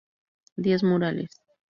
Diez Murales.